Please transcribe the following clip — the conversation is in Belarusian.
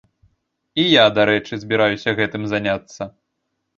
І я, дарэчы, збіраюся гэтым заняцца.